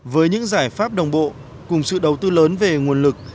với những giải pháp đồng bộ cùng sự đầu tư lớn về nguồn lực